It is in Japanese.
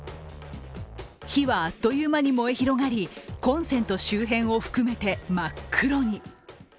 火はあっという間に燃え広がりコンセント周辺を含めて真っ黒に。